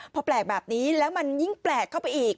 พอแปลกแบบนี้แล้วมันยิ่งแปลกเข้าไปอีก